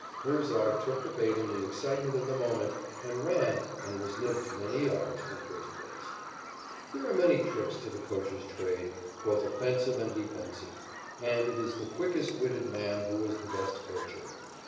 Herzog took the bait in the excitement of the moment and ran and was nipped many yards from first base. There are many tricks to the coacher's trade, both offensive and defensive, and it is the quickest witted man who is the best coacher.